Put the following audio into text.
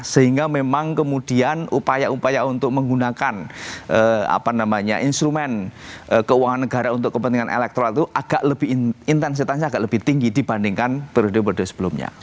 sehingga memang kemudian upaya upaya untuk menggunakan instrumen keuangan negara untuk kepentingan elektoral itu agak lebih intensitasnya agak lebih tinggi dibandingkan periode periode sebelumnya